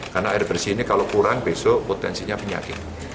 karena air bersih ini kalau kurang besok potensinya penyakit